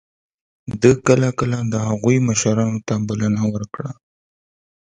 ده کله کله د هغوی مشرانو ته بلنه ورکړه.